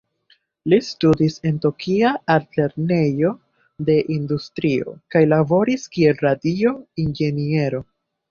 Li studis en Tokia altlernejo de industrio, kaj laboris kiel radio-inĝeniero.